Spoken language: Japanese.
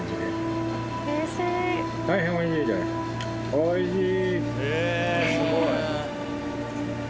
おいしい。